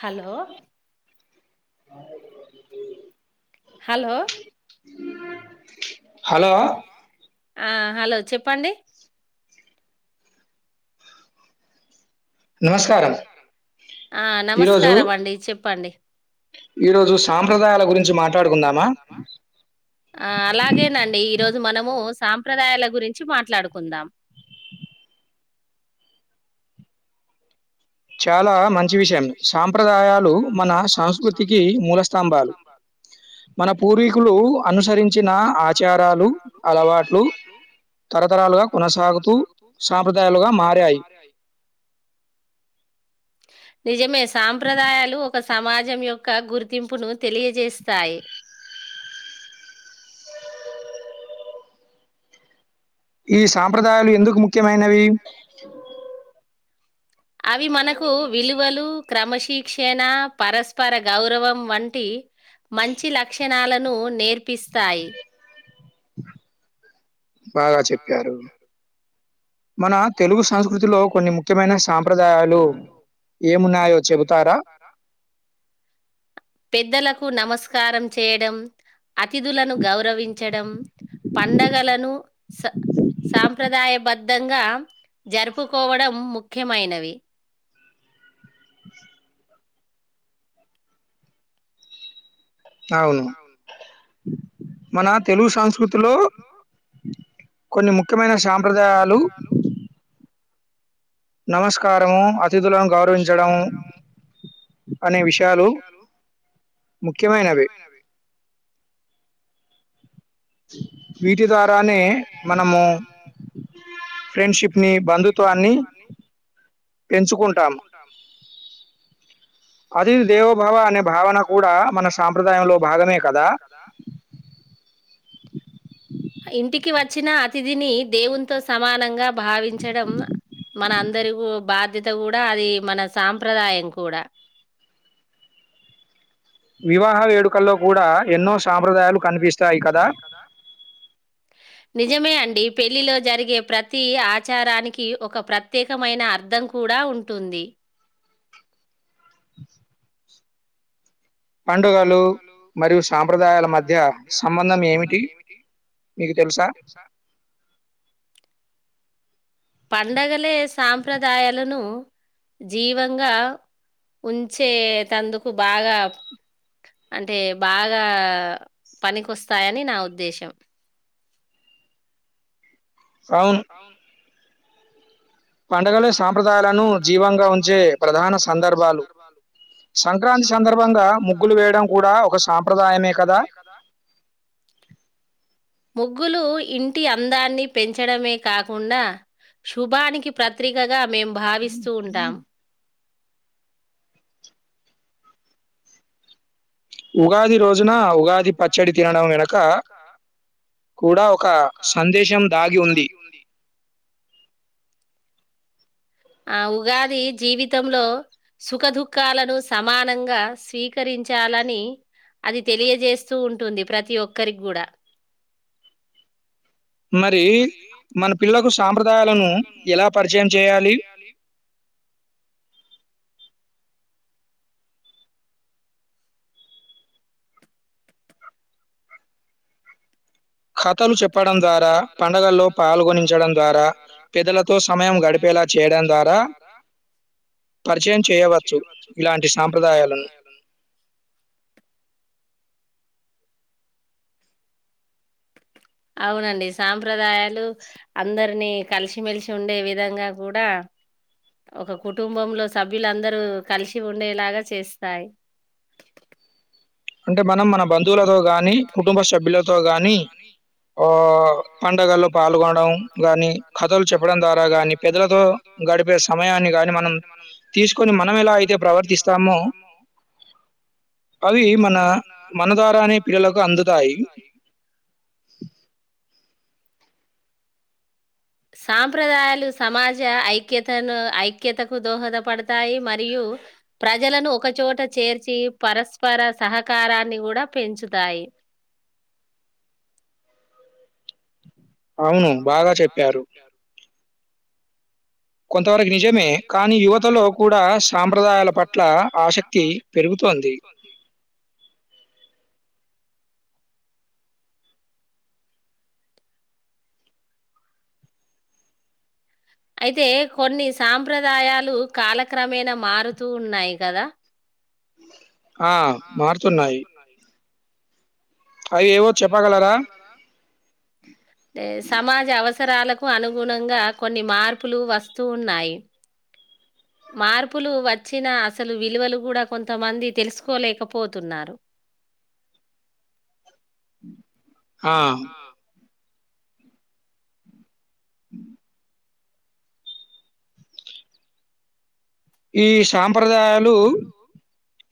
Hello hi [unintelligible] hello [inaudible] hello ఆ hello చెప్పండి నమస్కారం ఆ ఈరోజు నమస్కారం అండి చెప్పండి ఈరోజు సాంప్రదాయాల గురించి మాట్లాడుకుందామా. ఆ అలాగేనండి ఈ రోజు మనము సాంప్రదాయాల గురించి మాట్లాడుకుందాం. [inaudible] చాలా మంచి విషయం సాంప్రదాయాలు మన సంస్కృతికి మూల స్థంభాలు. మన పూర్వీకులు అనుసరించిన ఆచారాలు అలవాట్లు తరతరాలుగా కొనసాగుతూ సాంప్రదాయాలుగా మారాయ్. నిజమే సాంప్రదాయాలు ఒ ఒక సమాజం యొక్క గుర్తింపును తెలియజేస్తాయి. ఈ సాంప్రదాయాలు ఎందుకు ముఖ్యమైనవి [inaudible] అవి మనకు విలువలు క్రమశిక్షణ పరస్పర గౌరవం వంటి మంచి లక్షణాలను నేర్పిస్తాయి బాగా చెప్పారు మన తెలుగు సంస్కృతిలో కొన్ని ముఖ్యమైన సాంప్రదాయాలు ఏమున్నాయో చెబుతారా పెద్దలకు నమస్కారం చేయడం అతిథులను గౌరవించడం పండగలను స సాంప్రదాయ బద్ధంగా జరుపుకోవడం ముఖ్యమైనవి అవును మన తెలుగు సంస్కృతిలో కొన్ని ముఖ్యమైన సాంప్రదాయాలు నమస్కారము అతిథులను గౌరవించడము అనే విషయాలు ముఖ్యమైనవి [inaudible] వీటి ద్వారానే మనము ఫ్రెండ్ షిప్ని బంధుత్వాన్ని పెంచుకుంటాము అతిథి దేవోభవ అనే భావన కూడా మన సాంప్రదాయంలో భాగమే కదా. ఇంటికి వచ్చిన అతిథిని దేవుంతో సమానంగా భావించడం మన అందరి ఊ బాధ్యత కూడా అది మన సాంప్రదాయం కూడా వివాహ వేడు హ వేడుకల్లో కూడా ఎన్నో సాంప్రదాయాలు కనిపిస్తాయి కదా నిజమే అండి పెళ్లిలో జరిగే ప్రతి ఆచారానికి ఒక ప్రత్యేకమైన అర్థం కూడా ఉంటుంది. పండుగలు మరియు సాంప్రదాయాల మధ్య సంబంధం ఏమిటి? మీకు తెలుసా? పండగలే సాంప్రదాయాలను జీవంగా ఉంచే తందుకు బాగా అంటే బాగా పనికొస్తాయని నా ఉద్దేశం. అవును పండగలు సాంప్రదాయాలను జీవంగా ఉంచే ప్రధాన సందర్భాలు సంక్రాంతి సందర్భంగా ముగ్గులు వేయడం కూడా ఒక సాంప్రదాయమే కదా! ముగ్గులు ఇం టి అందాన్ని పెంచడమే కాకుండా శుభానికి ప్రత్రికగా మేము భావిస్తూ ఉంటాం. ఉగాది రోజున ఉగాది పచ్చడి తినడం వెనక కూడా ఒక సందేశం దాగి ఉంది. ఆ ఉగాది జీవితంలో సుఖ దుఃఖాలను సమానంగా స్వీకరించాలని అది తెలియజేస్తూ ఉంటుంది ప్రతి ఒక్కరికి గూడా మరి మన పిల్లలకు సాంప్రదాయాలను ఎలా పరిచయం చేయాలి? కథలు చెప్పడం ద్వారా పండగల్లో పాల్గొనించడం ద్వారా పెద్దలతో సమయం గడిపేలా గడిపేలా చేయడం ద్వారా పరిచయం చేయవచ్చు ఇలాంటి సాంప్రదాయాలను అవునండి సాంప్రదాయాలు అందరినీ కలిసిమెలిసి ఉండే విధంగా కూడా ఒక కుటుంబంలో సభ్యులందరూ కలిసి ఉండేలాగా చేస్తాయి. అంటే మనం మన బంధువులతో గాని కుటుంబ సభ్యులతో గాని ఆ పండగల్లో పాల్గొనడం గాని కథలు చెప్పడం ద్వారా గాని పెద్దలతో గడిపే సమయాన్ని గానీ మనం తీసుకొని మనం ఎలా అయితే ప్రవర్తిస్తామో అవి మన మన మన ద్వారానే పిల్లలకు అందుతాయి. సాంప్రదాయాలు సమాజ ఐక్యతను ఐక్యతకు దోహదపడతాయి మరియు యు ప్రజలను ఒకచోట చేర్చి పరస్పర సహకారాన్ని గూడా పెంచుతాయి. ఇ అవును బాగా చెప్పారు. కొంతవరకి నిజమే కానీ యువతలో కూడా సాంప్రదాయాల పట్ల ఆసక్తి పెర్ ప్రభుత్వనికి అయితే కొన్ని సాంప్రదాయాలు కాలక్రమేణ మారుతూ ఉన్నాయి కదా ఆ మారుతున్నాయి అవి ఏవో చెప్పగలరా సమాజ అవస పరాలకు అనుగుణంగా కొన్ని మార్పులు వస్తూ ఉన్నాయి మార్పులు వచ్చినా అసలు విలువలు కూడా కొంతమంది తెలుసుకోలేకపోతున్నారు ఆ హ ఈ సాంప్రదాయాలు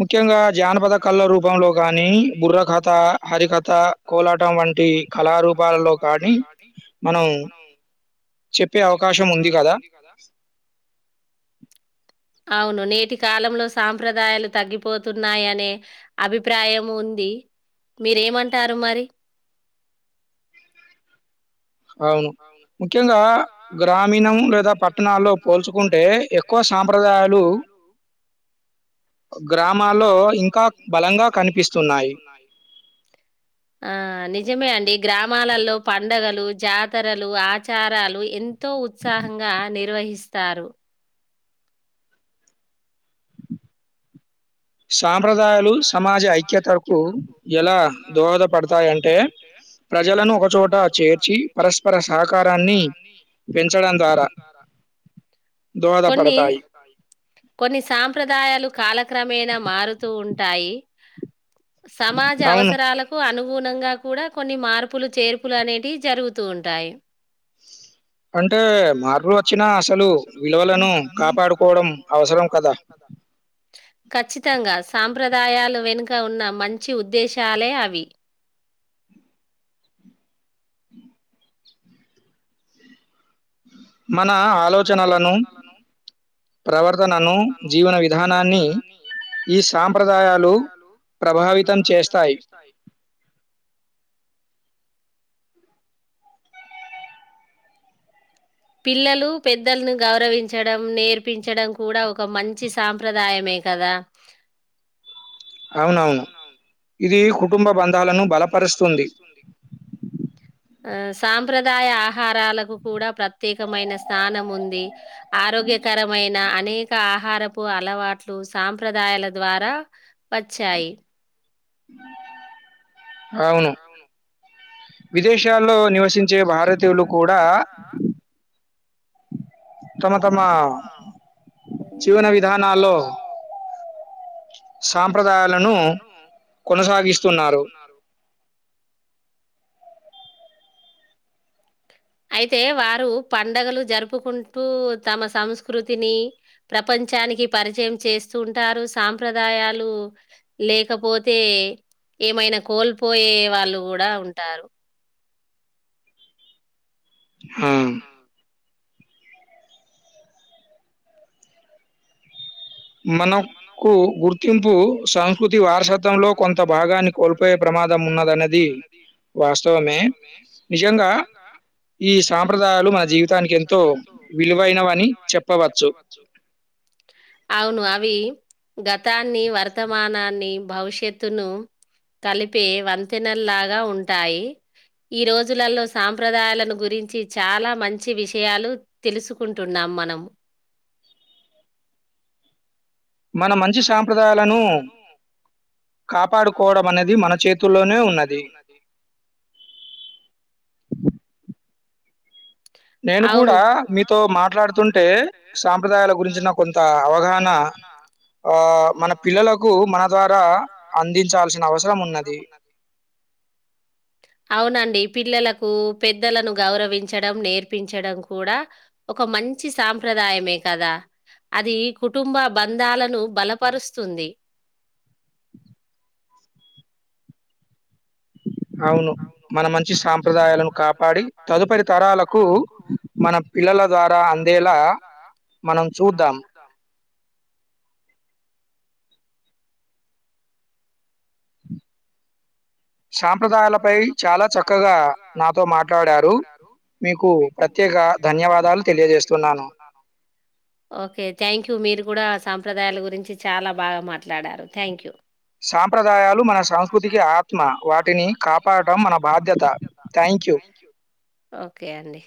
ముఖ్యంగా జానపద కళ్ల రూపంలో గాని బుర్ర కథ, హరికథ, కోలాటం వంటి టి కళారూపాలలో కానీ మనం చెప్పే అవకాశం ఉంది కదా అవును నేటి కాలంలో సాంప్రదాయాలు తగ్గిపోతున్నాయ అనే అభిప్రాయం ఉంది. మీరు ఏమంటారు మరి ఆ అవును ముఖ్యంగా గ్రామీణం లేదా పట్టణాల్లో పోల్చుకుంటే ఎక్కువ ఎక్కువ సాంప్రదాయాలు ఆ గ్రామాల్లో ఇంకా బలంగా కనిపిస్తున్నాయి ఆ ని నిజమే అండి గ్రామాలలో పండగలు, జాతరలు, ఆచారాలు ఎ ఎంతో ఉత్సాహంగా నిర్వహిస్తారు సాంప్రదాయాలు సమాజ ఐక్యతకు ఎలా దోహదపడతాయంటే ప్రజలను ఒకచోట చేర్చి పరస్పర సహకారాన్ని పెంచడం ద్వారా కొన్ని దోహదపడతాయి. కొన్ని సాంప్రదాయాలు కాలక్రమ మేన మారుతూ ఉంటాయి సమాజ అవును. అవసరాలకు అను గుణంగా కూడా కొన్ని మార్పులు చేర్పులు అనేటివి జరుగుతూ ఉంటాయి. ఆ అంటే మార్పులు వచ్చినా అసలు విలువలను కాపాడుకోవడం అవసరం కదా ఖచ్చితంగా సా సాంప్రదాయాలు వెనుక ఉన్న మంచి ఉద్దేశాలే అవి మన ఆలో నా ఆలోచనలను ప్రవర్తనను జీవన విధానాన్ని ఈ సాంప్రదాయాలు ప్రభావితం చేస్తాయి ఆ పిల్లలు పెద్దలను గౌరవించడం నేర్పించడం కూడా ఒక మంచి సాంప్రదాయమే కదా ఆ అవునవును ఇది కుటుంబ బంధాలను లను బలపరుస్తుంది ఆ సాంప్రదాయ ఆహారాలకు కూడా ప్రత్యేకమైన స్థానం ఉంది ఆరోగ్యకరమైన అనేక ఆహారపు అలవాట్లు సాంప్రదాయాల ద్వారా వచ్చాయి. అవును. విదేశాల్లో నివసించే భారతీయులు కూడా. తమ తమ జీవన విధానలో. అ సాంప్రదాయాలను కొనసాగిస్తున్నారు. అయితే వారు పండగలు జరుపుకుంటూ తమ సంస్కృతిని ప్రపంచ. ప్రపంచానికి పరిచయం చేస్తూ ఉంటారు సాంప్రదాయాలు లేకపోతే. ఏమైనా కోల్పోయే వాళ్ళు కూడా ఉంటారు. హామ్. మనకు గుర్తింపు సంస్కృతి వారసత్వంలో కొంత భాగాన్ని కోల్పోయే ప్రమాదం. ప్రమాదం ఉన్నదన్నది ఉన్నదనేది వాస్తవమే నిజంగా. ఈ సాంప్రదాయాలు మన జీవితానికి ఎంతో విలువైనవని చెప్పవచ్చు. అవును అవి గతాన్ని వర్తమానాన్ని భవిష్యత్తును. కలిపి వంతెనల్లాగా ఉంటాయి. ఈ రోజులలో సాంప్రదాయాలను గురించి చాలా మంచి విషయాలు తెలుసుకుంటున్నాము. మనం. మనం మంచి సాంప్రదాయాలను. కాపాడుకోవడం అనేది మన చేతుల్లోనే ఉన్నది. నేను అవును కూడా మీతో మాట్లాడుతుంటే సాంప్రదాయాల గురించిన కొంత అవగాహన. అవున. ఆ మన పిల్లలకు మన ద్వారా అందించాల్సిన అవసరం ఉన్నది. అవునండి పిల్లలకు పెద్దలను గౌరవించ్. నేర్పించడం కూడా ఒక మంచి సాంప్రదాయమే కదా. అది కుటుంబ బంధాలను బలపరుస్తుంది. అవును. మన మంచి సాంప్రదాయాలను కాపాడి తదుపరి తరాలకు మన పిల్లల ద్వారా అంది. ఆ అందేలా. మనం చూద్దాం. సాంప్రదాయాలపై చాలా చక్కగా నాతో మాట్లాడారు. మీకు ప్రత్యేక ధన్యవాదాలు తెలియజేస్తున్నాను. ఓకే థాంక్యూ మీరు కూడా సాంప్రదాయాల గురించి చాలా బాగా మాట్లాడారు థ్యాంక్ యూ. సాంప్రదాయాలు మన సంస్కృతికి ఆత్మ వాటిని. వాటిని కప్పడం మన బాధ్యత థ్యాంక్ యూ.